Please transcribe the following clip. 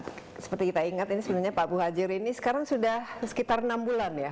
seperti kita ingat ini sebenarnya pak muhajir ini sekarang sudah sekitar enam bulan ya